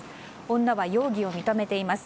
女は容疑を認めています。